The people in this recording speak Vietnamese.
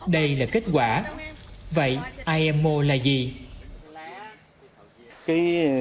đây là kết quả vậy imo là gì